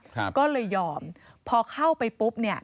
ครับก็เลยยอมพอเข้าไปปุ๊บ